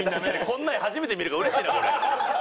こんな画初めて見るからうれしいなこれ。